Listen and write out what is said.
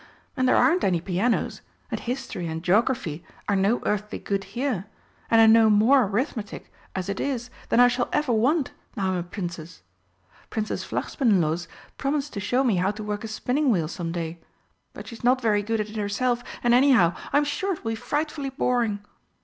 And there aren't any pianos, and History and Geography are no earthly good here, and I know more Arithmetic as it is than I shall ever want now I'm a Princess. Princess Flachspinnenlos promised to show me how to work a spinning wheel some day, but she's not very good at it herself, and anyhow, I'm sure it will be frightfully boring.